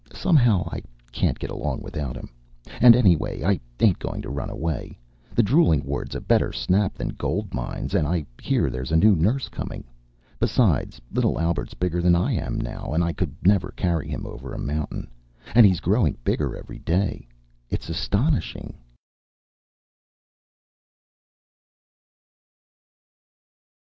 Somehow I can't get along without him. And anyway, I ain't going to run away. The drooling ward's a better snap than gold mines, and I hear there's a new nurse coming. Besides, little Albert's bigger than I am now, and I could never carry him over a mountain. And he's growing bigger every day. It's astonishing.